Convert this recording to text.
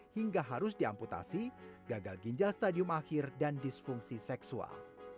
hingga harus diamputasi gagal ginjal stadium akhir dan disfungsi seksual